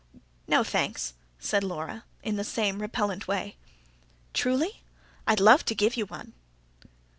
"No, thanks," said Laura, in the same repellent way. "Truly? I'd love to give you one."